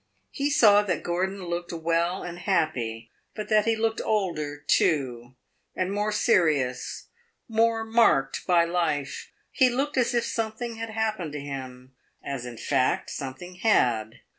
He saw that Gordon looked well and happy, but that he looked older, too, and more serious, more marked by life. He looked as if something had happened to him as, in fact, something had.